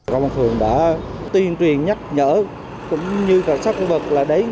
công an phường đã tuyên truyền nhắc nhở cũng như cảnh sát khu vực là đấy